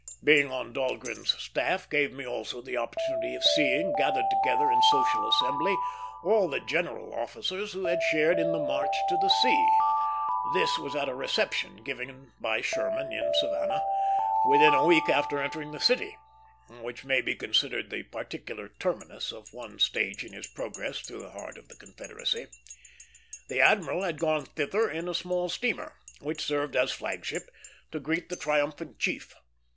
Being on Dahlgren's staff gave me also the opportunity of seeing, gathered together in social assembly, all the general officers who had shared in the March to the Sea. This was at a reception given by Sherman in Savannah, within a week after entering that city, which may be considered the particular terminus of one stage in his progress through the heart of the Confederacy. The admiral had gone thither in a small steamer, which served as flag ship, to greet the triumphant chief.